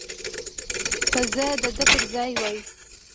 که زه د ده پر ځای وای.